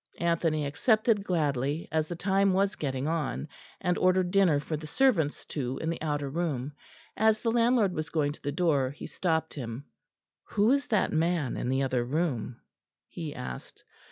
Anthony accepted gladly, as the time was getting on, and ordered dinner for the servants too, in the outer room. As the landlord was going to the door, he stopped him. "Who is that man in the other room?" he asked.